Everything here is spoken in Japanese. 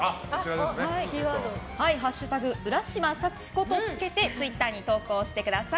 「＃浦島幸子」とつけてツイッターに投稿してください。